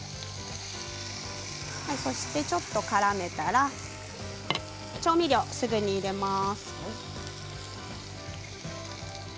ちょっとからめたら調味料をすぐに入れます。